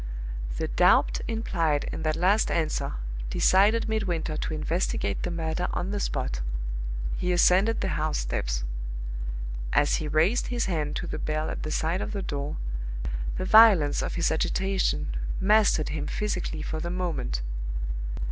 The doubt implied in that last answer decided Midwinter to investigate the matter on the spot. He ascended the house steps. As he raised his hand to the bell at the side of the door, the violence of his agitation mastered him physically for the moment.